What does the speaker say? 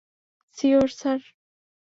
Sure, sir?